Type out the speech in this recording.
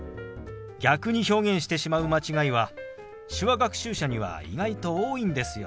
逆に表現してしまう間違いは手話学習者には意外と多いんですよ。